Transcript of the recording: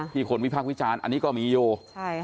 ที่คนวิภาควิจารณ์อันนี้ก็มีอยู่